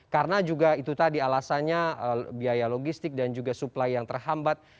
karena juga itu tadi alasannya biaya logistik dan juga supply yang terhambat